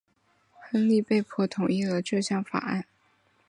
亨利被迫同意了这项法案。